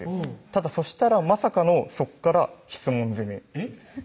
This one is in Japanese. ただそしたらまさかのそっから質問攻めえっ？